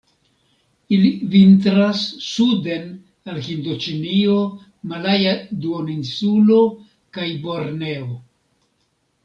Ili vintras suden al Hindoĉinio, Malaja Duoninsulo kaj Borneo.